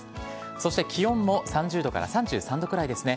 そして気温も３０度から３３度くらいですね。